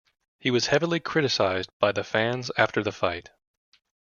He was heavily criticized by the fans after the fight.